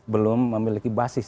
belum memiliki basis